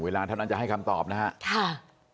เวลาเท่านั้นจะให้คำตอบนะครับ